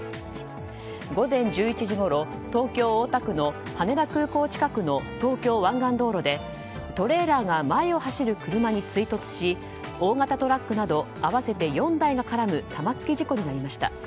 午前１１時ごろ東京・大田区の羽田空港近くの東京湾岸道路でトレーラーが前を走る車に追突し大型トラックなど合わせて４台が絡む玉突き事故になりました。